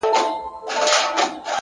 چي نور ساده راته هر څه ووايه،